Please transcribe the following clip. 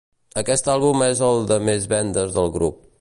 Aquest àlbum és el de més vendes del grup.